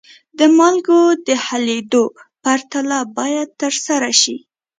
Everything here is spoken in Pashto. د مالګو د حلیدو پرتله باید ترسره شي.